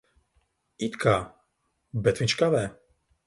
It kā. Bet viņš kavē.